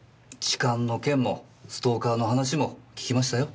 痴漢の件もストーカーの話も聞きましたよ。